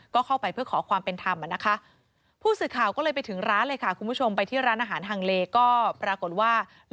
ก็เข้าไปเพื่อขอความเป็นธรรมนะคะ